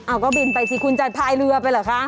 เอาก็บินไปสิคุณจะพายเรือไปเหรอคะ